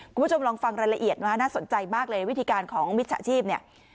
คุณผู้ชมลองฟังรายละเอียดนะฮะน่าสนใจมากเลยวิธีการของมิจฉาชีพเนี่ย